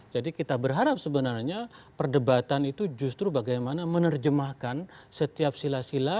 jadi kita berharap sebenarnya perdebatan itu justru bagaimana menerjemahkan setiap sila sila